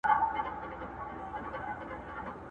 په تېرو غاښو مي دام بيرته شلولى،